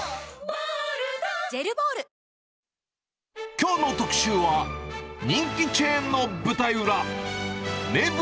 きょうの特集は、人気チェーンの舞台裏。